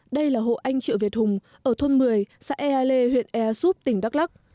đây là hộ anh triệu việt hùng ở thôn một mươi xã ea lê huyện ea súp tỉnh đắk lắc